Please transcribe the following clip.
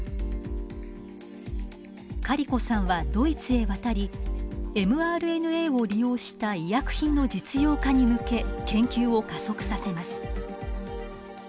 カリコさんはドイツへ渡りｍＲＮＡを利用した医薬品の実用化に向け研究を加速させます。